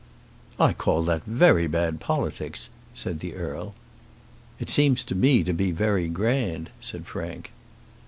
"I call that very bad politics," said the Earl. "It seems to me to be very grand," said Frank.